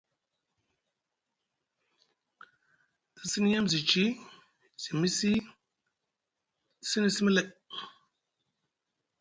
Te sini yem zi ci, zi mi siy, te zini simi lay.